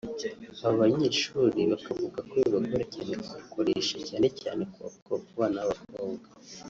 Aba banyeshuri bakavuga ko bibagora cyane kubukoresha cyane cyane ku bana b’abakobwa